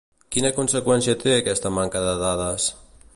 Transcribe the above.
Quina conseqüència té aquesta manca de dades?